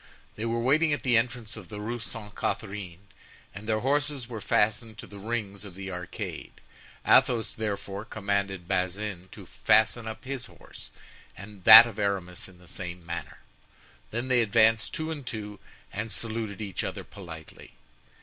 They were waiting at the entrance of the Rue Sainte Catharine, and their horses were fastened to the rings of the arcade. Athos, therefore, commanded Bazin to fasten up his horse and that of Aramis in the same manner. They then advanced two and two, and saluted each other politely.